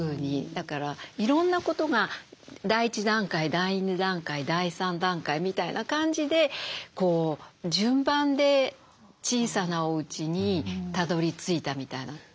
だからいろんなことが第１段階第２段階第３段階みたいな感じで順番で小さなおうちにたどりついたみたいな。